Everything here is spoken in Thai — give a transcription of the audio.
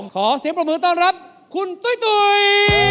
ขอเสียบประมูลต้อนรับคุณตุ๋ยตุ๋ย